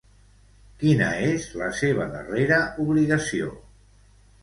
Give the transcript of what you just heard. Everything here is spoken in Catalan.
Quina és la seva darrera obligació?